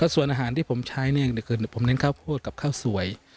ส่วนอาหารที่ผมใช้เนี่ยคือผมเน้นข้าวโพดกับข้าวสวย